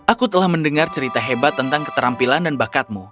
aku telah mendengar cerita hebat tentang keterampilan dan bakatmu